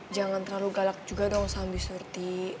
jangan terlalu galak juga dong sama bi surti